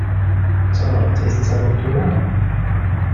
D tabrat i tettaruḍ tura?